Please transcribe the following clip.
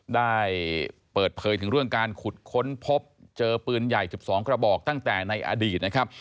ได้เปิดเผยถึงเรื่องการขุดค้นพบเจอปืนใหญ่๑๒กระบอกตั้งแต่ในอดีตนะครับ